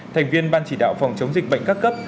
thành viên ban chỉ đạo phòng chống dịch bệnh các cấp